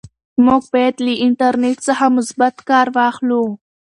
موږ باید له انټرنیټ څخه مثبت کار واخلو.